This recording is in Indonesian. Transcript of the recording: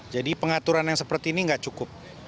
jadi pengaturan yang seperti ini tidak cukup